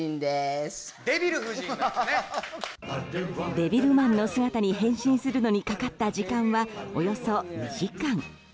デビルマンの姿に変身するのにかかった時間はおよそ２時間。